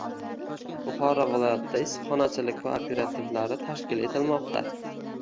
Buxoro viloyatida issiqxonachilik kooperativlari tashkil etilmoqda